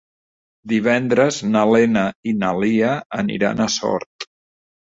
Divendres na Lena i na Lia aniran a Sort.